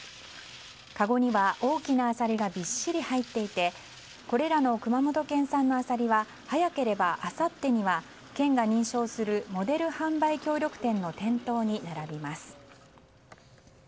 かごには大きなアサリがびっしり入っていてこれらの熊本県産のアサリは早ければあさってには県が認証するモデル販売協力店の店頭に並びます。